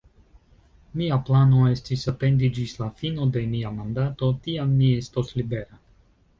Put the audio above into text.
Mia plano estis atendi ĝis la fino de mia mandato, tiam mi estos libera.